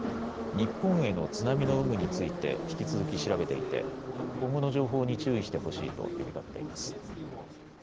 日本への津波の有無について引き続き調べていて今後の情報に注意してほしいと呼びかけています。